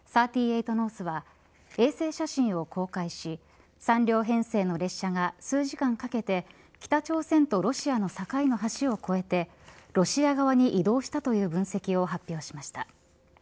ノースは衛星写真を公開し３両編成の列車が数時間かけて北朝鮮とロシアの境の橋を越えてロシア側に移動したという分析を発表しました。